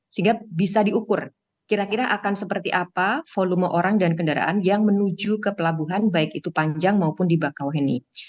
sehingga bisa diukur kira kira akan seperti apa volume orang dan kendaraan yang menuju ke pelabuhan baik itu panjang maupun di bakauheni